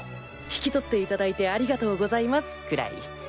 引き取っていただいてありがとうございますくらい。